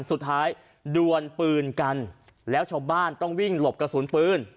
สุดท้ายดวนปืนกันแล้วชาวบ้านต้องวิ่งหลบกระสุนปืน